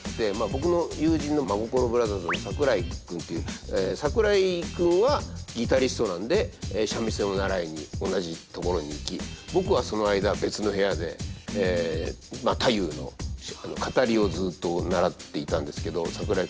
僕の友人の真心ブラザーズの桜井君という桜井君はギタリストなんで三味線を習いに同じところに行き僕はその間別の部屋で太夫の語りをずっと習っていたんですけど桜井